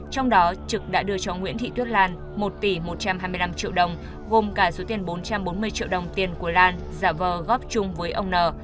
trong đó trực đã đưa cho nguyễn thị tuyết lan một tỷ một trăm hai mươi năm triệu đồng gồm cả số tiền bốn trăm bốn mươi triệu đồng tiền của lan giả vờ góp chung với ông n